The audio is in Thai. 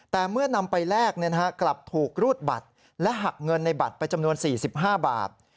แต่เมื่อนำไปแลกกลับถูกรูดบัตรและหักเงินในบัตรไปจำนวน๔๕บาท